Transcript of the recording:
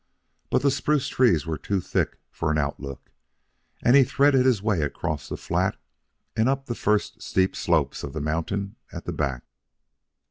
But the spruce trees were too thick for an outlook, and he threaded his way across the flat and up the first steep slopes of the mountain at the back.